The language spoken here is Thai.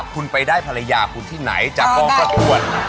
คุณไปได้ภรรยาคุณที่ไหนจากกองประกวด